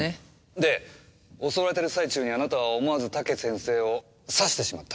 で襲われてる最中にあなたは思わず武先生を刺してしまった。